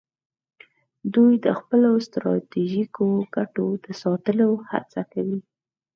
دوی د خپلو ستراتیژیکو ګټو د ساتلو هڅه کوي